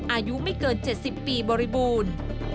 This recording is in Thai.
อายุไม่เกิน๗๐ปีบริบูรณ์